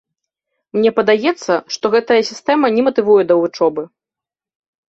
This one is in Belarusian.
Мне падаецца, што гэта сістэма не матывуе да вучобы.